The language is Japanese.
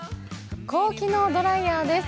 高機能ドライヤーです。